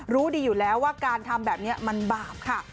รู้ดีอยู่แล้วว่าการทำแบบนี้มันบาปค่ะ